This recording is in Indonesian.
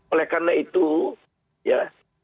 oleh karena itu ya